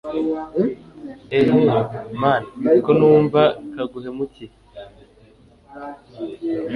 eheee mn ko numva kaguhemukiye